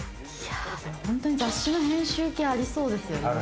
本当に雑誌の編集系ありそうですよね。